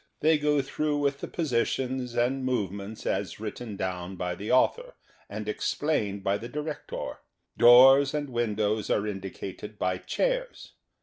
They go through with the positions and movements as written down by the author and explained by the director. Doors and windows are indicated by chairs.